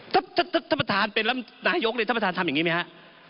ถ้าประธานเป็นรัฐนายกเลยถ้าประธานทำอย่างนี้ไหมฮะ